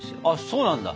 そうなんだ。